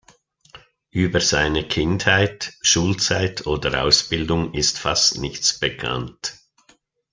Über seine Kindheit, Schulzeit oder Ausbildung ist fast nichts bekannt.